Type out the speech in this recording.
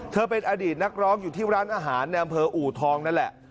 เป็นอดีตนักร้องอยู่ที่ร้านอาหารในอำเภออูทองนั่นแหละ